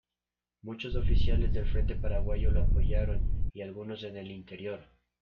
Muchos oficiales del frente paraguayo lo apoyaron, y algunos en el interior.